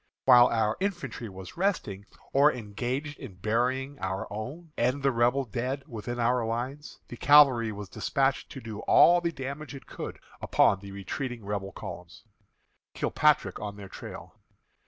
While our infantry was resting, or engaged in burying our own and the Rebel dead within our lines, the cavalry was despatched to do all the damage it could upon the retreating Rebel columns. KILPATRICK ON THEIR TRAIL.